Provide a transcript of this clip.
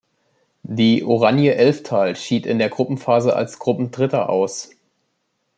Die "Oranje Elftal" schied in der Gruppenphase als Gruppendritter aus.